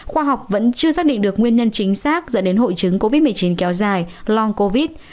khoa học vẫn chưa xác định được nguyên nhân chính xác dẫn đến hội chứng covid một mươi chín kéo dài lon covid